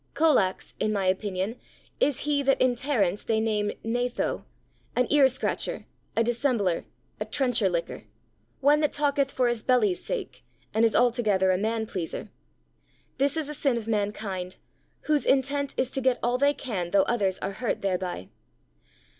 Colax, in my opinion, is he that in Terence they name Gnatho, an ear scratcher, a dissembler, a trencher licker, one that talketh for his belly's sake, and is altogether a man pleaser. This is a sin of mankind, whose intent is to get all they can though others are hurt thereby.